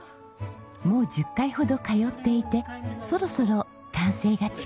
もう１０回ほど通っていてそろそろ完成が近づいています。